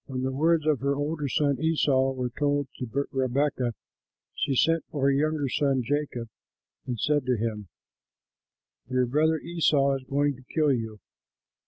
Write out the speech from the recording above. When the words of her older son Esau were told to Rebekah, she sent for her younger son Jacob and said to him, "Your brother, Esau, is going to kill you.